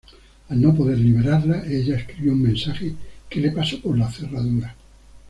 Al no poder liberarla, ella escribió un mensaje que le pasó por la cerradura.